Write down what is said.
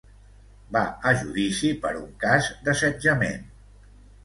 Va a judici per un cas d’assetjament.